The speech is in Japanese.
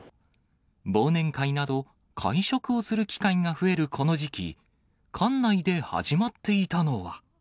忘年会など、会食をする機会が増えるこの時期、館内で始まっていたのは。